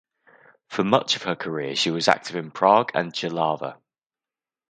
For much of her career she was active in Prague and Jihlava.